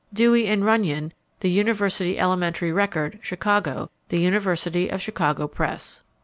Dewey and Runyon, The University Elementary Record, Chicago, The University of Chicago Press.